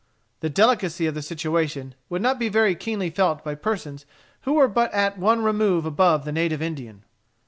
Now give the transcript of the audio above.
The delicacy of the situation would not be very keenly felt by persons who were at but one remove above the native Indian.